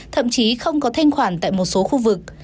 thậm chí không có thanh khoản tại một số khu vực